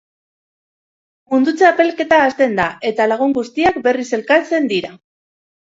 Mundu Txapelketa hasten da, eta lagun guztiak berriz elkartzen dira.